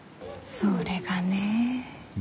それがね。